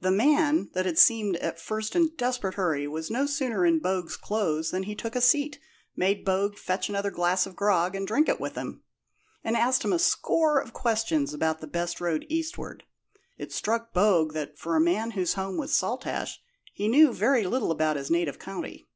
The man, that had seemed at first in a desperate hurry, was no sooner in Bogue's clothes than he took a seat, made Bogue fetch another glass of grog and drink it with him, and asked him a score of questions about the best road eastward. It struck Bogue that, for a man whose home was Saltash, he knew very little about his native county.